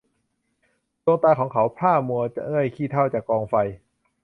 ดวงตาของเขาพร่ามัวด้วยขี้เถ้าจากกองไฟ